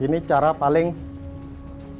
ini cara paling mudah